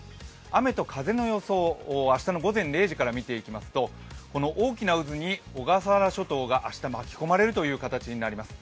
雨と風の予想を明日の午前０時から見ていきますと大きな渦に小笠原諸島が明日、巻き込まれる形になります。